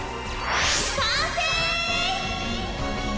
完成！